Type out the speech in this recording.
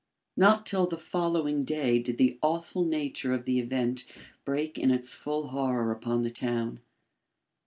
Not till the following day did the awful nature of the event break in its full horror upon the town.